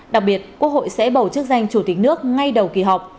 đặc biệt quốc hội sẽ bầu chức danh chủ tịch nước ngay đầu kỳ họp